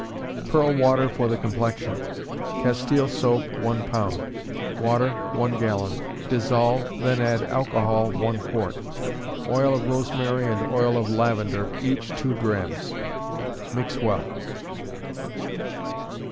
Pearl Water for the Complexion. Castile soap, one pound; water, one gallon. Dissolve, then add alcohol, one quart; oil of rosemary and oil of lavender, each two drachms. Mix well.